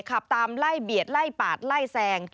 ขับตามไล่เบียดไล่ปาดไล่แซง